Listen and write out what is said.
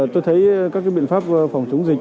tôi thấy các biện pháp phòng chống dịch